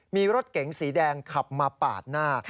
มีรถเก๋งสีแดงขับมาปาดหน้า